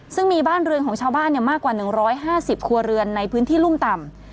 ซึ่งมีบ้านเรือนของชาวบ้านมากกว่า๑๕๐ครัวเรือนในพื้นที่รุ่มต่ำ